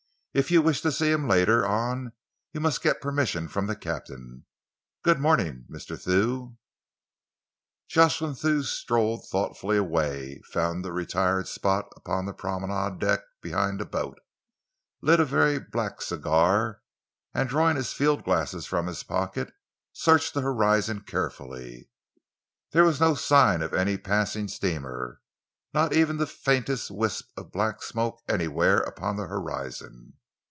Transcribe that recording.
"If you wish to see him later on, you must get permission from the captain. Good morning, Mr. Thew." Jocelyn Thew strolled thoughtfully away, found a retired spot upon the promenade deck behind a boat, lit a very black cigar, and, drawing his field glasses from his pocket, searched the horizon carefully. There was no sign of any passing steamer, not even the faintest wisp of black smoke anywhere upon the horizon.